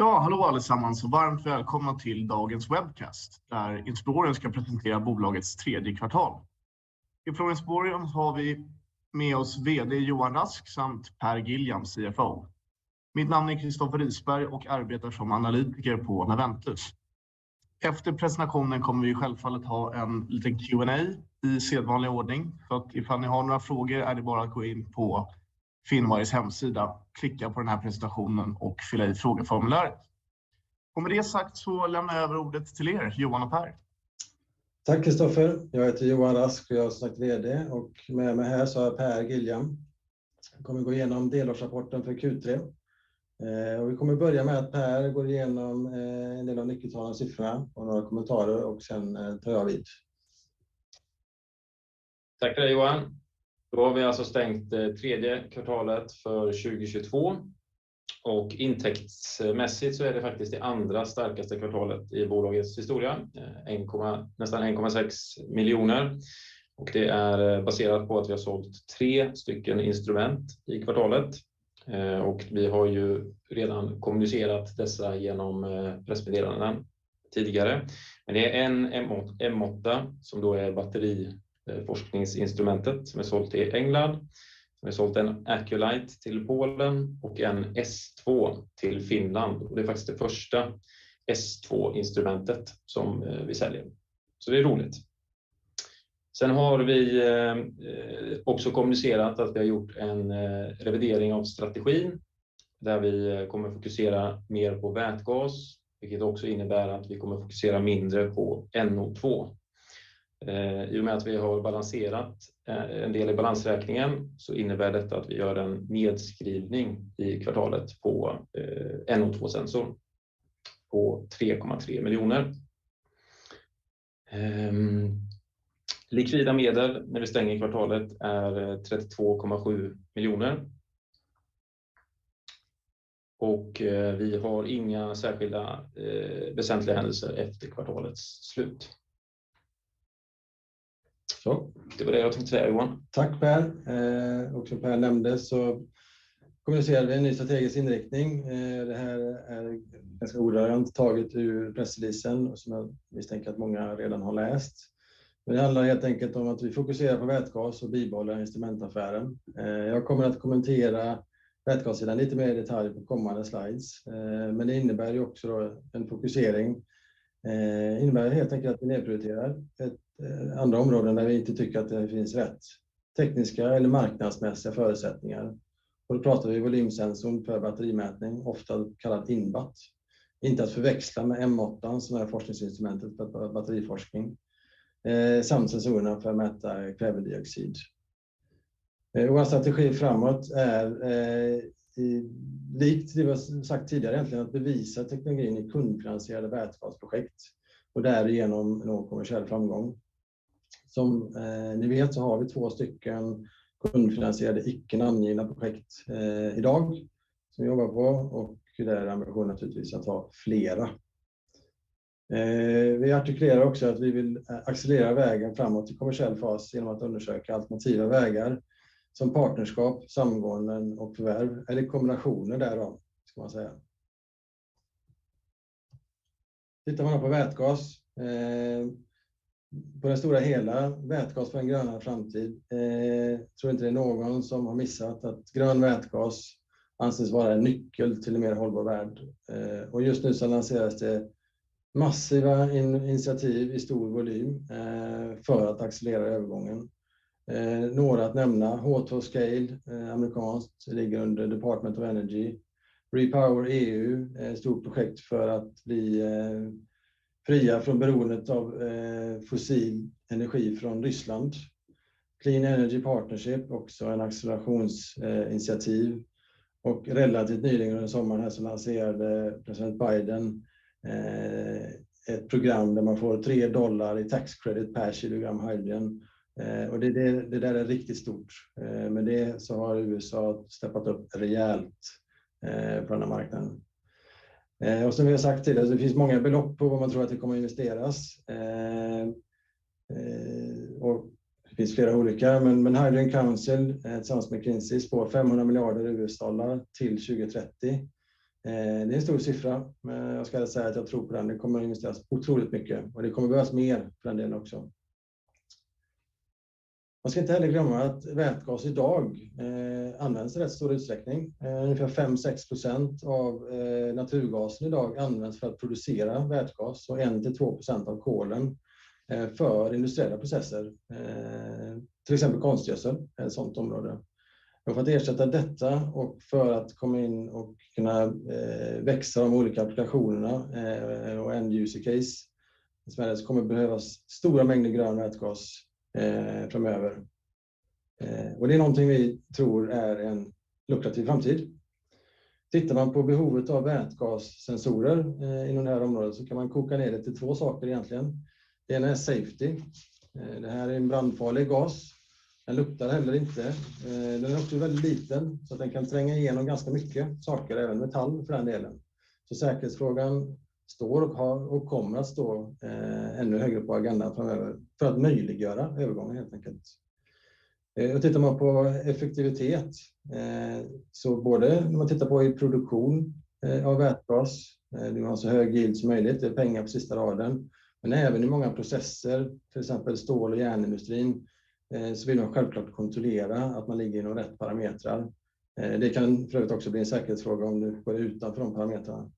Ja hallå allesammans och varmt välkomna till dagens webcast där Insplorion ska presentera bolagets tredje kvartal. Från Insplorion har vi med oss VD Johan Rask samt Per Giljam, CFO. Mitt namn är Christoffer Risberg och arbetar som analytiker på Naventus. Efter presentationen kommer vi självfallet ha en liten Q&A i sedvanlig ordning. Att ifall ni har några frågor är det bara att gå in på Finwires hemsida, klicka på den här presentationen och fylla i frågeformuläret. Med det sagt så lämnar jag över ordet till er, Johan och Per. Tack, Christoffer. Jag heter Johan Rask och jag är som sagt VD och med mig här så är Per Giljam kommer gå igenom delårsrapporten för Q3. Vi kommer börja med att Per går igenom en del av nyckeltalen, siffror och några kommentarer och sedan tar jag vid. Tackar dig, Johan. Vi har alltså stängt tredje kvartalet för 2022. Intäktsmässigt så är det faktiskt det andra starkaste kvartalet i bolagets historia. Nästan 1.6 miljoner. Det är baserat på att vi har sålt 3 stycken instrument i kvartalet. Vi har ju redan kommunicerat dessa genom pressmeddelanden tidigare. Det är en M8 som då är batteriforskningsinstrumentet som är sålt i England. Vi har sålt en Acoulyte till Polen och en S2 till Finland. Det är faktiskt det första S2-instrumentet som vi säljer. Det är roligt. Vi har också kommunicerat att vi har gjort en revidering av strategin, där vi kommer fokusera mer på vätgas, vilket också innebär att vi kommer fokusera mindre på NO2. I och med att vi har balanserat en del i balansräkningen så innebär detta att vi gör en nedskrivning i kvartalet på NO2-sensor på 3.3 miljoner. Likvida medel när vi stänger kvartalet är SEK 32.7 miljoner. Vi har inga särskilda väsentliga händelser efter kvartalets slut. Det var det jag tänkte säga Johan. Tack Per. Som Per nämnde så kommunicerade vi en ny strategisk inriktning. Det här är ganska ordagrant taget ur pressreleasen som jag misstänker att många redan har läst. Det handlar helt enkelt om att vi fokuserar på vätgas och bibehåller instrumentaffären. Jag kommer att kommentera vätgassidan lite mer i detalj på kommande slides, men det innebär ju också en fokusering. Innebär helt enkelt att vi nedprioriterar andra områden där vi inte tycker att det finns rätt tekniska eller marknadsmässiga förutsättningar. Då pratar vi volymsensorn för batterimätning, ofta kallat InBat. Inte att förväxla med M8:an som är forskningsinstrumentet för batteriforskning. Samt sensorerna för att mäta kvävedioxid. Vår strategi framåt är likt det vi har sagt tidigare egentligen, att bevisa teknologin i kundfinansierade vätgasprojekt och därigenom nå kommersiell framgång. Som ni vet så har vi 2 stycken kundfinansierade icke namngivna projekt idag som vi jobbar på och där är ambitionen naturligtvis att ha flera. Vi artikulerar också att vi vill accelerera vägen framåt i kommersiell fas genom att undersöka alternativa vägar som partnerskap, samgången och förvärv eller kombinationer därav ska man säga. Tittar man då på vätgas, på det stora hela, vätgas för en grönare framtid. Tror inte det är någon som har missat att grön vätgas anses vara en nyckel till en mer hållbar värld. Just nu så lanseras det massiva initiativ i stor volym för att accelerera övergången. Några att nämna, H2@Scale, amerikanskt, ligger under U.S. Department of Energy. REPowerEU är ett stort projekt för att bli fria från beroendet av fossil energi från Ryssland. Clean Energy Partnership, också en accelerations initiativ. Relativt nyligen under sommaren här så lanserade President Biden ett program där man får $3 i tax credit per kilogram hydrogen. Det där är riktigt stort. Med det så har USA steppat upp rejält på den här marknaden. Och som vi har sagt tidigare, det finns många belopp på vad man tror att det kommer investeras. Och det finns flera olika, men Hydrogen Council, tillsammans med McKinsey & Company spår $500 billion till 2030. Det är en stor siffra, men jag skulle säga att jag tror på den. Det kommer investeras otroligt mycket och det kommer behövas mer för den delen också. Man ska inte heller glömma att vätgas idag används i rätt stor utsträckning. Ungefär 5-6% av naturgasen idag används för att producera vätgas och 1-2% av kolet för industriella processer. Till exempel konstgödsel är ett sådant område. För att ersätta detta och för att komma in och kunna växa de olika applikationerna och end use case, så kommer det behövas stora mängder grön vätgas framöver. Det är någonting vi tror är en lukrativ framtid. Tittar man på behovet av vätgassensorer inom det här området så kan man koka ner det till två saker egentligen. Det ena är safety. Det här är en brandfarlig gas. Den luktar heller inte. Den är också väldigt liten så att den kan tränga igenom ganska mycket saker, även metall för den delen. Säkerhetsfrågan står och har, och kommer att stå ännu högre på agendan framöver för att möjliggöra övergången helt enkelt. Tittar man på effektivitet, så både när man tittar på i produktion av vätgas, du vill ha så hög yield som möjligt, det är pengar på sista raden. Även i många processer, till exempel stål- och järnindustrin, så vill man självklart kontrollera att man ligger inom rätt parametrar. Det kan förut också bli en säkerhetsfråga om du går utanför de parametrarna.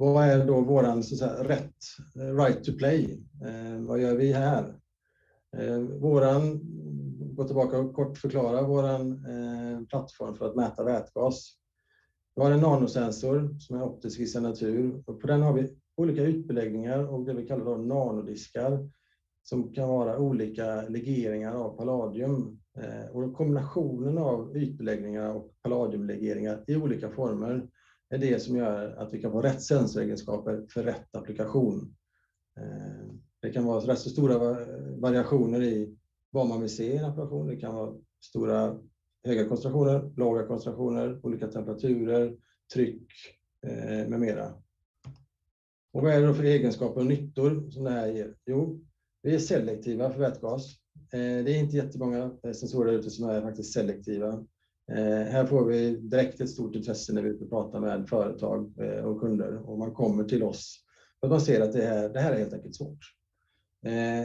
Vad är då vår så att säga rätt, right to play? Vad gör vi här? Vår, gå tillbaka och kort förklara vår plattform för att mäta vätgas. Vi har en nanosensor som är optisk i sin natur och på den har vi olika ytbeläggningar och det vi kallar för nanodiskar som kan vara olika legeringar av palladium. Kombinationen av ytbeläggningar och palladiumlegeringar i olika former är det som gör att vi kan få rätt sensoregenskaper för rätt applikation. Det kan vara rätt så stora variationer i vad man vill se i en applikation. Det kan vara stora höga koncentrationer, låga koncentrationer, olika temperaturer, tryck med mera. Vad är det för egenskaper och nyttor som det här ger? Jo, vi är selektiva för vätgas. Det är inte jättemånga sensorer där ute som är faktiskt selektiva. Här får vi direkt ett stort intresse när vi är ute och pratar med företag och kunder och man kommer till oss. För att man ser att det här är helt enkelt svårt.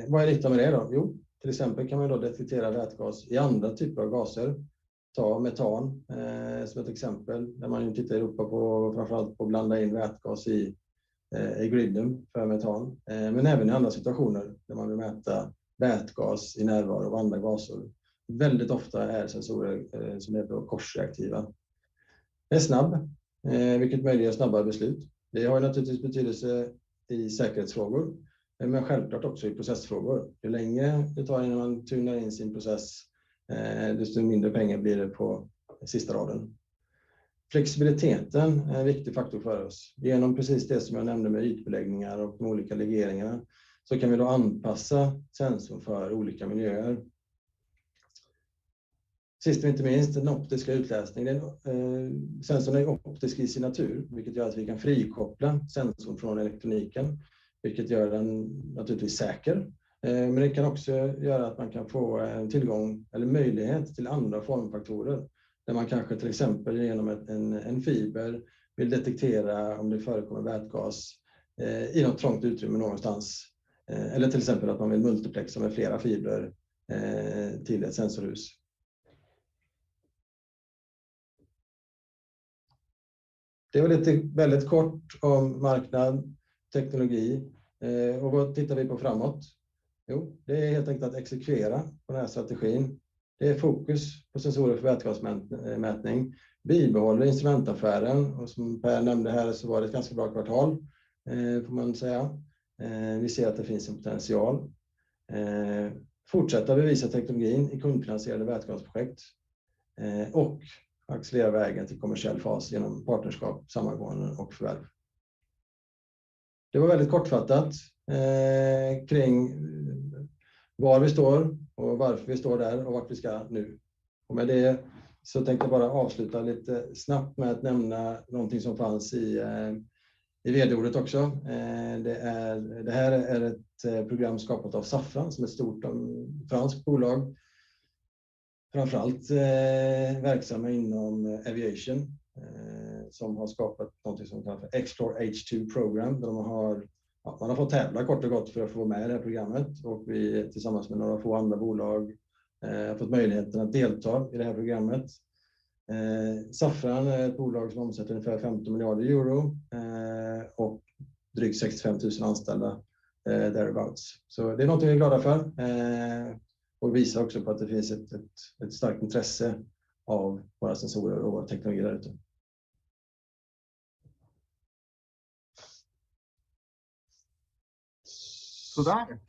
Vad är nyttan med det då? Jo, till exempel kan man då detektera vätgas i andra typer av gaser. Ta metan som ett exempel, där man ju tittar i Europa på, framför allt på att blanda in vätgas i griden för metan. Men även i andra situationer där man vill mäta vätgas i närvaro av andra gaser. Väldigt ofta är sensorer som är korsreaktiva. Det är snabb, vilket möjliggör snabba beslut. Det har naturligtvis betydelse i säkerhetsfrågor, men självklart också i processfrågor. Ju längre det tar innan man tunar in sin process, desto mindre pengar blir det på sista raden. Flexibiliteten är en viktig faktor för oss. Genom precis det som jag nämnde med ytbeläggningar och de olika legeringarna, så kan vi då anpassa sensorn för olika miljöer. Sist men inte minst, den optiska utläsningen. Sensorn är optisk i sin natur, vilket gör att vi kan frikoppla sensorn från elektroniken, vilket gör den naturligtvis säker. Men det kan också göra att man kan få en tillgång eller möjlighet till andra formfaktorer. Där man kanske till exempel genom en fiber vill detektera om det förekommer vätgas i något trångt utrymme någonstans. Eller till exempel att man vill multiplexa med flera fiber till ett sensorhus. Det var lite väldigt kort om marknad, teknologi. Vad tittar vi på framåt? Jo, det är helt enkelt att exekvera på den här strategin. Det är fokus på sensorer för vätgasmätning, bibehåller instrumentaffären. Som Per nämnde här så var det ett ganska bra kvartal, får man väl säga. Vi ser att det finns en potential. Fortsätta bevisa teknologin i kundfinansierade vätgasprojekt, och accelerera vägen till kommersiell fas genom partnerskap, samarbete och förvärv. Det var väldigt kortfattat, kring var vi står och varför vi står där och vart vi ska nu. Med det så tänkte jag bara avsluta lite snabbt med att nämna någonting som fanns i vd-ordet också. Det här är ett program skapat av Safran som är stort av ett franskt bolag. Framför allt verksamma inom aviation, som har skapat någonting som kallas för Explore H2 Program, där man har fått tävla kort och gott för att få vara med i det här programmet. Vi tillsammans med några få andra bolag har fått möjligheten att delta i det här programmet. Safran är ett bolag som omsätter ungefär 15 miljarder euro och drygt 65,000 anställda thereabouts. Det är någonting vi är glada för. Visar också på att det finns ett starkt intresse av våra sensorer och vår teknologi där ute. Sådär.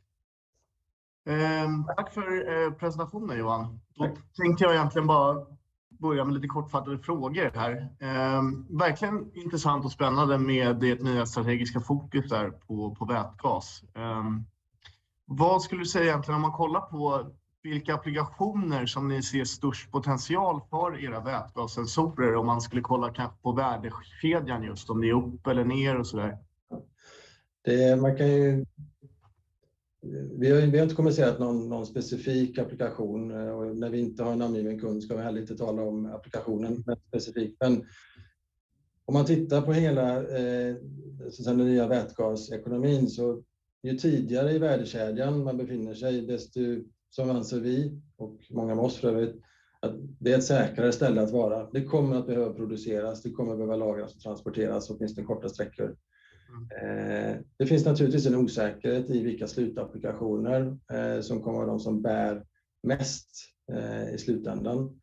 Tack för presentationen, Johan. Då tänkte jag egentligen bara börja med lite kortfattade frågor här. Verkligen intressant och spännande med det nya strategiska fokuset där på vätgas. Vad skulle du säga egentligen om man kollar på vilka applikationer som ni ser störst potential för era vätgassensorer? Om man skulle kolla kanske på värdekedjan just, om det är upp eller ner och sådär. Man kan ju. Vi har inte kommunicerat någon specifik applikation. När vi inte har en namngiven kund ska vi heller inte tala om applikationen mest specifikt. Om man tittar på hela, så att säga den nya vätgasekonomin, så ju tidigare i värdekedjan man befinner sig, desto som anser vi och många med oss för övrigt, att det är ett säkrare ställe att vara. Det kommer att behöva produceras, det kommer att behöva lagras och transporteras åtminstone korta sträckor. Det finns naturligtvis en osäkerhet i vilka slutapplikationer som kommer att vara de som bär mest i slutändan.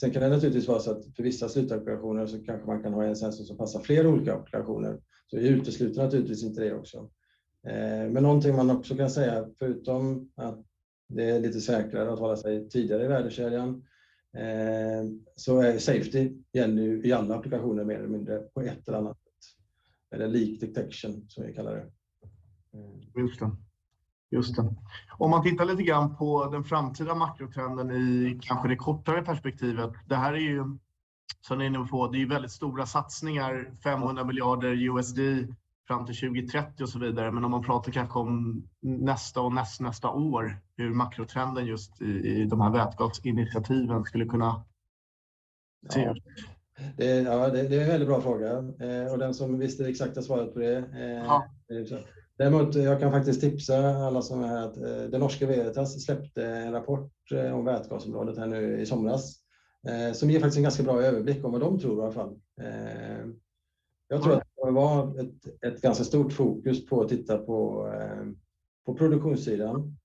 Kan det naturligtvis vara så att för vissa slutapplikationer så kanske man kan ha en sensor som passar fler olika applikationer. Vi utesluter naturligtvis inte det också. Någonting man också kan säga, förutom att det är lite säkrare att hålla sig tidigare i värdekedjan, så är safety igen nu i andra applikationer mer eller mindre på ett eller annat sätt. Leak detection som vi kallar det. Just det. Om man tittar lite grann på den framtida makrotrenden i kanske det kortare perspektivet. Det här är ju som ni är inne på, det är väldigt stora satsningar, $500 miljarder fram till 2030 och så vidare. Om man pratar kanske om nästa och nästnästa år, hur makrotrenden just i de här vätgasinitiativen skulle kunna se ut. Ja, det är en väldigt bra fråga. Och den som visste exakt det svaret på det. Däremot jag kan faktiskt tipsa alla som är här att Det Norske Veritas släppte en rapport om vätgasområdet här nu i somras. Som ger faktiskt en ganska bra överblick om vad de tror i alla fall. Jag tror att det var ett ganska stort fokus på att titta på produktionssidan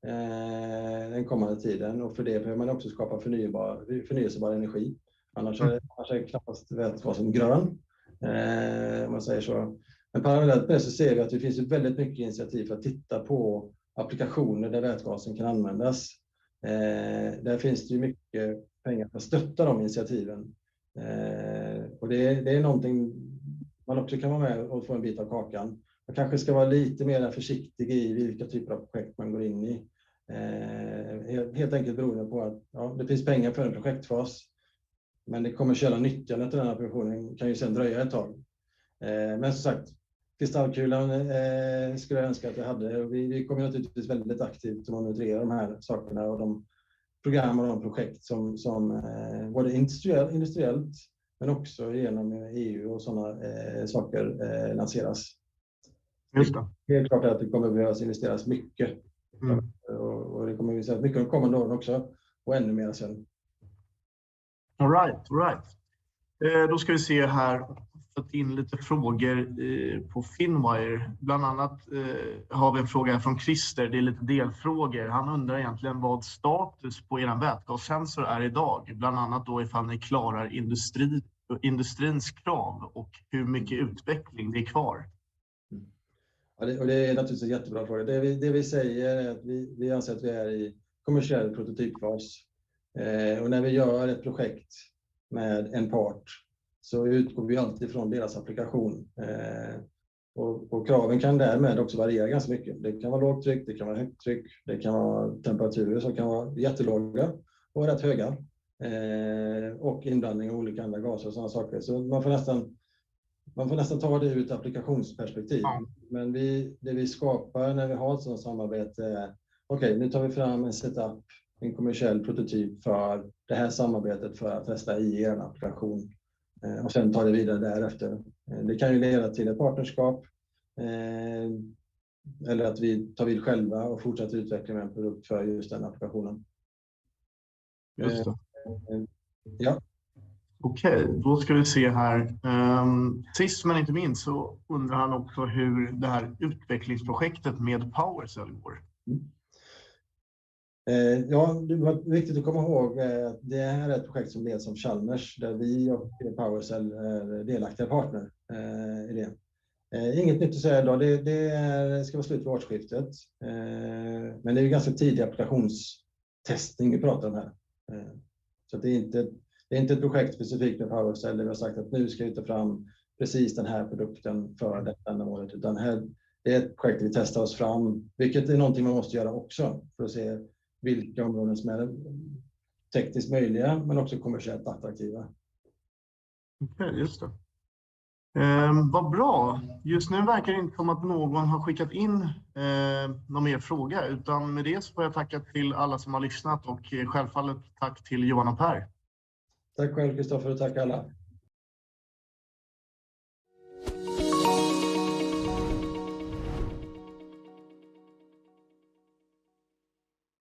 den kommande tiden. Och för det behöver man också skapa förnybar energi. Annars är det knappast vätgasen grön. Om man säger så. Men parallellt med det så ser vi att det finns väldigt mycket initiativ för att titta på applikationer där vätgasen kan användas. Där finns det ju mycket pengar för att stötta de initiativen. Och det är någonting man också kan vara med och få en bit av kakan. Man kanske ska vara lite mer försiktig i vilka typer av projekt man går in i. Helt enkelt beroende på att det finns pengar för en projektfas. Den kommersiella nyttan efter den här positionen kan ju sedan dröja ett tag. Som sagt, kristallkulan skulle jag önska att vi hade. Vi kommer naturligtvis väldigt aktivt att monitorera de här sakerna och de program och de projekt som både industriellt men också igenom EU och sådana saker lanseras. Just det. Det är klart att det kommer behövas investeras mycket. Det kommer vi se mycket de kommande åren också. Ännu mer sen. All right, all right. Då ska vi se här. Jag har fått in lite frågor på Finwire. Bland annat har vi en fråga från Krister. Det är lite delfrågor. Han undrar egentligen vad status på eran vätgassensor är i dag. Bland annat då ifall ni klarar industrins krav och hur mycket utveckling det är kvar. Ja, det är naturligtvis en jättebra fråga. Det vi säger är att vi anser att vi är i kommersiell prototypfas. När vi gör ett projekt med en part så utgår vi alltid från deras applikation. Kraven kan därmed också variera ganska mycket. Det kan vara lågtryck, det kan vara högtryck, det kan vara temperaturer som kan vara jättelåga och rätt höga. Inblandning av olika andra gaser och sådana saker. Så man får nästan ta det ur ett applikationsperspektiv. Men det vi skapar när vi har ett sådant samarbete är, okej, nu tar vi fram en set up, en kommersiell prototyp för det här samarbetet för att testa i eran applikation och sen ta det vidare därefter. Det kan ju leda till ett partnerskap. Eller att vi tar vid själva och fortsätter utvecklingen med en produkt för just den applikationen. Just det. Ja. Okej, då ska vi se här. Sist men inte minst så undrar han också hur det här utvecklingsprojektet med Powercell går. Ja, det är viktigt att komma ihåg att det här är ett projekt som leds av Chalmers, där vi och Powercell är delaktiga partner i det. Inget nytt att säga i dag. Det ska vara slut vid årsskiftet. Men det är ganska tidig applikationstestning vi pratar om här. Det är inte ett projekt specifikt med Powercell. Vi har sagt att nu ska vi ta fram precis den här produkten för detta ändamålet, det är ett projekt vi testar oss fram. Vilket är någonting man måste göra också för att se vilka områden som är tekniskt möjliga men också kommersiellt attraktiva. Okej, just det. Vad bra. Just nu verkar det inte som att någon har skickat in någon mer fråga. Men med det så får jag tacka alla som har lyssnat och självfallet tack till Johan och Per. Tack själv Christoffer och tack alla.